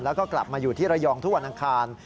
แล้วก็กลับมาอยู่ที่ระยองทุกวันอังคาร